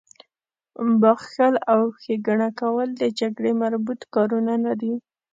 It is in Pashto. بخښل او ښېګڼه کول د جګړې مربوط کارونه نه دي